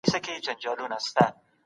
دا ماشین توري په ډېر دقت سره ګوري.